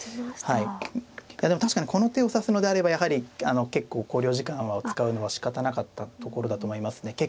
はいでも確かにこの手を指すのであればやはり結構考慮時間を使うのはしかたなかったところだと思いますね。